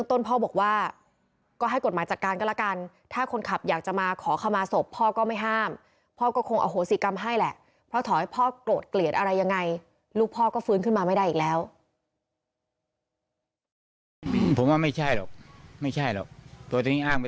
ที่ในลูกพ่อก็ฟื้นขึ้นมาไม่ได้อีกแล้ว